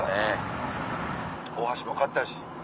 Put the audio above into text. お箸も買ったし。